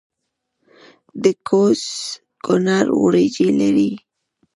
د کوز کونړ وریجې لري